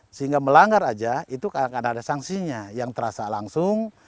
sehingga melanggar saja itu karena ada sanksinya yang terasa langsung